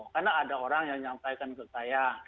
karena ada orang yang menyampaikan ke saya